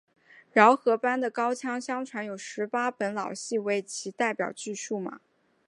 饶河班的高腔相传有十八本老戏为其代表剧码。